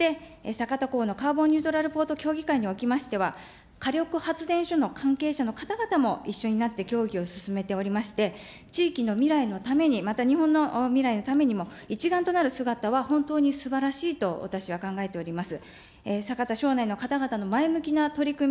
一例として酒田港のカーボンニュートラル協議会におきましては、火力発電所の関係者の方々も一緒になって協議を進めておりまして、地域の未来のために、また日本の未来のためにも、一丸となる姿は本当にすばらしいと私は考えております。